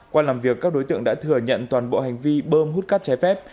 qua làm việc các đối tượng đã thừa nhận toàn bộ hành vi bơm hút cát trái phép